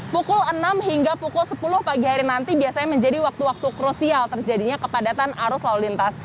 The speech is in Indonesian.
pukul enam hingga pukul sepuluh pagi hari nanti biasanya menjadi waktu waktu krusial terjadinya kepadatan arus lalu lintas